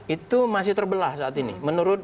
itu masih terbelah saat ini menurut